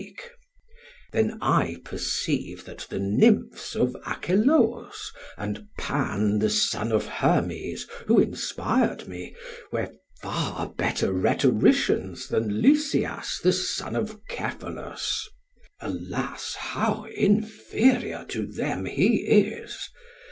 SOCRATES: Then I perceive that the Nymphs of Achelous and Pan the son of Hermes, who inspired me, were far better rhetoricians than Lysias the son of Cephalus. Alas! how inferior to them he is!